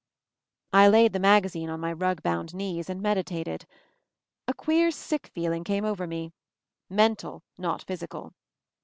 I laid the magazine on my rug bound knees and meditated. A queer sick feeling came over me — mental, not physical.